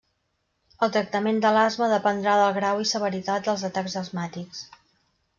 El tractament de l'asma dependrà del grau i severitat dels atacs asmàtics.